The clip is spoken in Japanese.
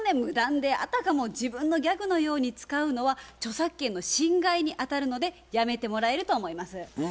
無断であたかも自分のギャグのように使うのは著作権の侵害にあたるのでやめてもらえると思います。